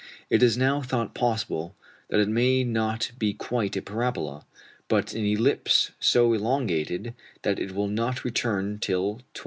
It is now thought possible that it may not be quite a parabola, but an ellipse so elongated that it will not return till 2255.